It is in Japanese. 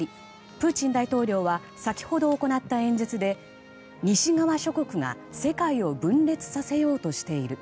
プーチン大統領は先ほど行った演説で西側諸国が世界を分裂させようとしている。